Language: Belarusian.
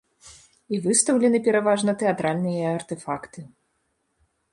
І выстаўлены пераважна тэатральныя артэфакты.